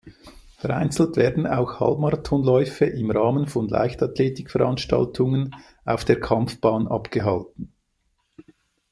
Vereinzelt werden auch Halbmarathon-Läufe im Rahmen von Leichtathletikveranstaltungen auf der Kampfbahn abgehalten.